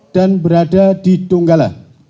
dan berada di donggala